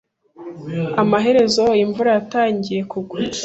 Amaherezo, imvura yatangiye kugwa.